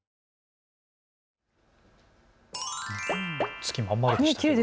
月、真ん丸でしたね。